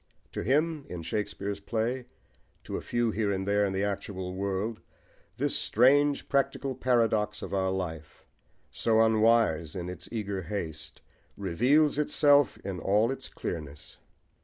To him in Shakespeare's play, to a few here and there in the actual world, this strange practical paradox of our life, so unwise in its eager haste, reveals itself in all its clearness.